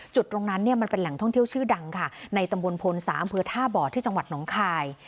จุดตรงนั้นเนี่ยมันเป็นแหล่งท่องเที่ยวชื่อดังค่ะในตำบลพลสาอำเภอท่าบ่อที่จังหวัดน้องคาย